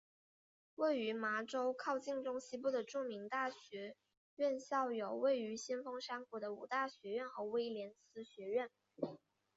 位于麻州靠近中西部的著名大学院校有位于先锋山谷的五大学院和威廉斯学院。